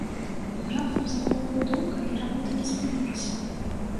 Раптам загуў гудок, але работа не спынілася.